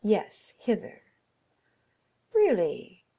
"Yes, hither." "Really?